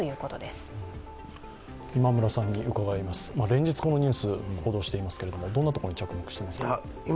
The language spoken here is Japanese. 連日このニュース報道していますが、どんなところに着目していますか。